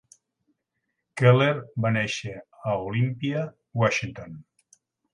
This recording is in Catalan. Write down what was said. Keller va néixer a Olympia, Washington.